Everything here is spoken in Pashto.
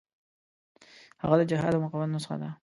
هغه د جهاد او مقاومت نسخه ده.